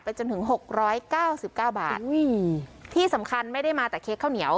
จนถึงหกร้อยเก้าสิบเก้าบาทอุ้ยที่สำคัญไม่ได้มาแต่เค้กข้าวเหนียว